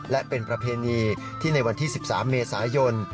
และเป็นประเพณีที่ในวันที่๑๓เมษายน